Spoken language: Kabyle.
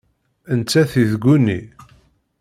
Nettat i tguni.